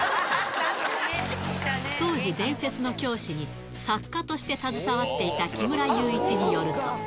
当時、伝説の教師に作家として携わっていた木村祐一によると。